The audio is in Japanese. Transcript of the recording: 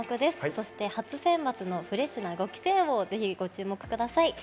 そして、初選抜のフレッシュな５期生にもぜひご注目ください。